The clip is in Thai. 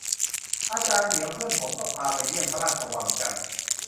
อาจารย์เหมียวเพื่อนผม ก็พาไปเยี่ยมพระราชวังจันทน์